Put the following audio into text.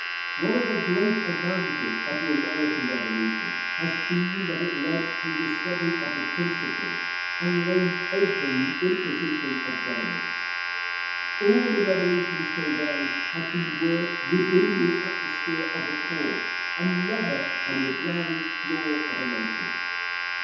One of the great advantages of the American Revolution has been, that it led to a discovery of the principles, and laid open the imposition, of governments. All the revolutions till then had been worked within the atmosphere of a court, and never on the grand floor of a nation.